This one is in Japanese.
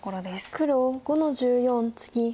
黒５の十四ツギ。